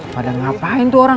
padahal ngapain tuh orang